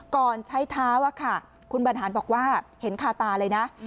ก่อนใช้เท้าคุณบรรหารบอกว่าเห็นคาตาเลยนะ